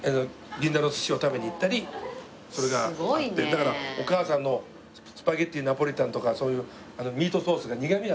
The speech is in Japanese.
だからお母さんのスパゲッティーナポリタンとかそういうミートソースが。